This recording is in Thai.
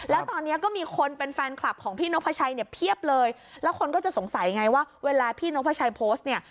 แล้วตอนนี้ก็มีคนเป็นแฟนคลับของพี่นกพระชัยเนี่ยเพียบเลยแล้วคนก็จะสงสัยไงว่าเวลาพี่นกพระชัยโพสต์เนี่ย